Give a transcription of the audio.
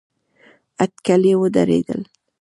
اټکلي ودرېدل.